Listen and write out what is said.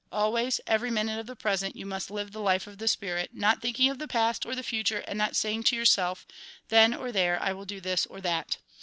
Always, every minute of the present, you must live the life of the spirit, not thinking of the past or the future, and not saying to yourself : then or there I will do this or that.